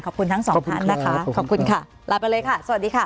ขอบคุณทั้งสองท่านนะคะขอบคุณค่ะลาไปเลยค่ะสวัสดีค่ะ